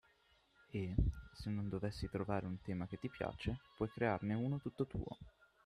E, se non dovessi trovare un tema che ti piace, puoi crearne uno tutto tuo!